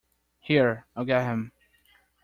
Here — I'll get him.